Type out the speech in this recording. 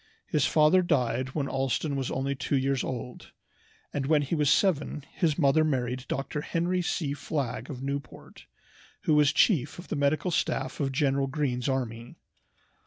His father died when Allston was only two years old, and when he was seven his mother married Dr. Henry C. Flagg of Newport, who was chief of the medical staff of General Greene's army.